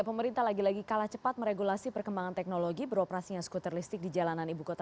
pemerintah lagi lagi kalah cepat meregulasi perkembangan teknologi beroperasinya skuter listrik di jalanan ibu kota